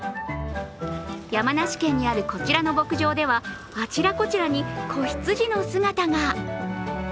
山梨県にあるこちらの牧場ではあちらこちらに子羊の姿が。